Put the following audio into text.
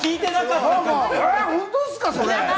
本当すか、それ？